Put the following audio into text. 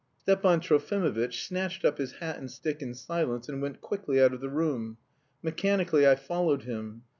Stepan Trofimovitch snatched up his hat and stick in silence and went quickly out of the room. Mechanically I followed him.